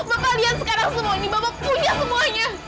bapak lihat sekarang semua ini bapak punya semuanya